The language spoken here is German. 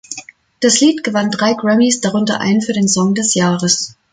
Das Lied gewann drei Grammys, darunter einen für den Song des Jahres.